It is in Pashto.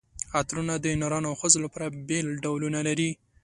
عطرونه د نرانو او ښځو لپاره بېل ډولونه لري.